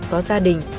có gia đình